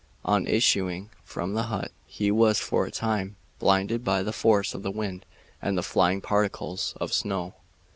On issuing from the hut he was for a time blinded by the force of the wind and the flying particles of snow.